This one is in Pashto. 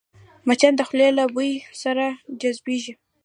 مچان د خولې له بوی سره جذبېږي